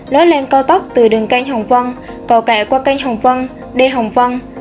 lối lên cao tốc từ đường canh hồng văn cầu cải qua canh hồng văn đi hồng văn